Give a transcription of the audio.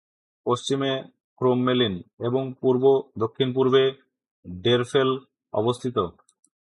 পশ্চিমে ক্রোমমেলিন এবং পূর্ব-দক্ষিণপূর্বে ডেরফেল অবস্থিত।